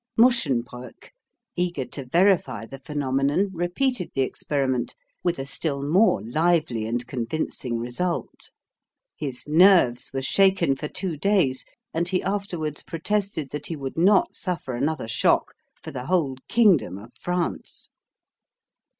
Muschenbroeck, eager to verify the phenomenon, repeated the experiment, with a still more lively and convincing result. His. nerves were shaken for two days, and he afterwards protested that he would not suffer another shock for the whole kingdom of France.